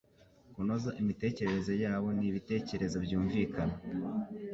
kunoza imitekerereze yabo nibitekerezo byumvikana